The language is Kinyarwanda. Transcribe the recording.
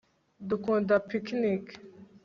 dukunda picnike